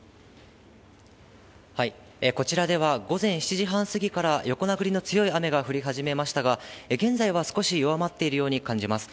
こちらでは、午前７時半過ぎから、横殴りの強い雨が降り始めましたが、現在は少し弱まっているように感じます。